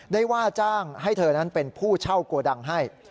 ได้ว่าจ้างให้เธอนั้นเป็นผู้เช่าโกดังให้